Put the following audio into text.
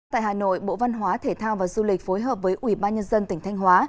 tại hà nội bộ văn hóa thể thao và du lịch phối hợp với ủy ban nhân dân tỉnh thanh hóa